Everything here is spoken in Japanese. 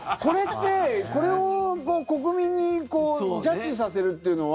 これを国民にジャッジさせるっていうのは。